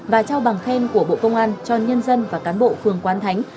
và trao bằng khen của bộ công an cho nhân dân và cán bộ phường quán thánh